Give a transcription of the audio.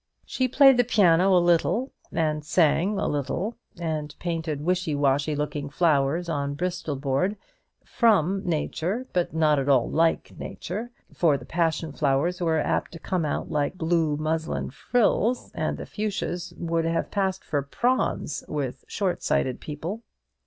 She played the piano a little, and sang a little, and painted wishy washy looking flowers on Bristol board from nature, but not at all like nature; for the passion flowers were apt to come out like blue muslin frills, and the fuchsias would have passed for prawns with short sighted people.